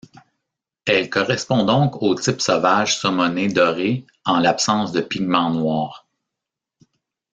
Elle correspond donc au type sauvage saumoné doré en l’absence de pigments noirs.